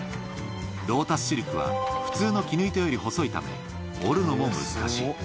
ロータスシルクは、普通の絹糸より細いため、織るのも難しい。